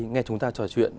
nghe chúng ta trò chuyện